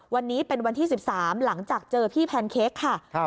วันนี้เป็นวันที่๑๓หลังจากเจอพี่แพนเค้กค่ะ